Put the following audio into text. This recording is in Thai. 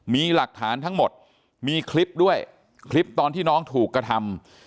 มีหลักฐานทั้งหมดมีคลิปด้วยคลิปตอนที่น้องถูกกระทำ